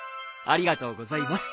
ありがとうございます。